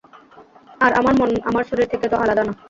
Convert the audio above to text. আর আমার মন আমার শরীর থেকে তো আলাদা না।